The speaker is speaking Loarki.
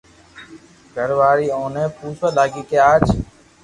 گھر واري اوني پوسوا لاگي ڪي اج